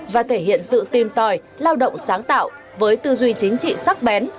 và thể hiện sự tìm tòi lao động sáng tạo với tư duy chính trị sắc bén